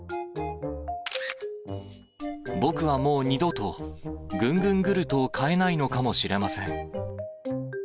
僕はもう二度とぐんぐんグルトを買えないのかもしれません。